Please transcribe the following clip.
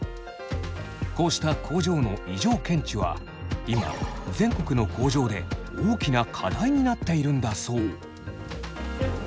こうした工場の異常検知は今全国の工場で大きな課題になっているんだそう。